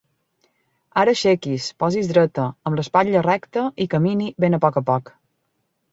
Ara aixequi's, posi's dreta, amb l'espatlla recta i camini ben a poc a poc.